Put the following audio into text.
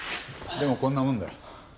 でもこんなもんだ。